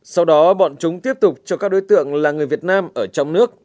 sau đó bọn chúng tiếp tục cho các đối tượng là người việt nam ở trong nước